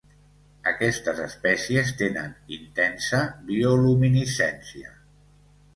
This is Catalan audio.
Aquestes espècies tenen intensa bioluminescència.